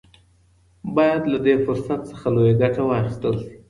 باید له دې فرصت څخه لویه ګټه واخیستل شي.